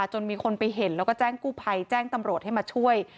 จนมีคนไปเห็นแล้วก็แจ้งกู้ภัยแจ้งตำรวจให้มาช่วย